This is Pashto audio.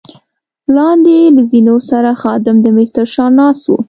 لاندې له زینو سره خادم د مېز تر شا ناست وو.